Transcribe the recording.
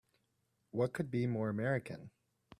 What could be more American!